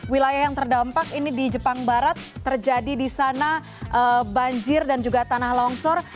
wilayah yang terdampak ini di jepang barat terjadi di sana banjir dan juga tanah longsor